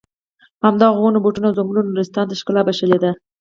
همدغو ونو بوټو او ځنګلونو نورستان ته ښکلا بښلې ده.